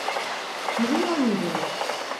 Bilmiyor muydunuz?